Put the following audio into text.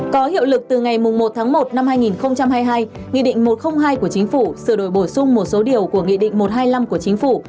có hiệu lực từ ngày một tháng một năm hai nghìn hai mươi hai nghị định một trăm linh hai của chính phủ sửa đổi bổ sung một số điều của nghị định một trăm hai mươi năm của chính phủ